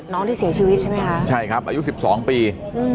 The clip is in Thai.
ที่เสียชีวิตใช่ไหมคะใช่ครับอายุสิบสองปีอืม